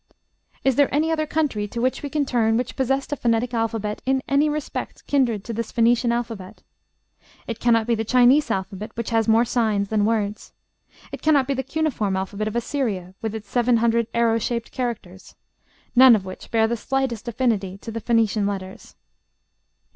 Is there any other country to which we can turn which possessed a phonetic alphabet in any respect kindred to this Phoenician alphabet? It cannot be the Chinese alphabet, which has more signs than words; it cannot be the cuneiform alphabet of Assyria, with its seven hundred arrow shaped characters, none of which bear the slightest affinity to the Phoenician letters.